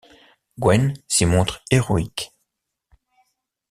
Gwen s'y montre héroïque.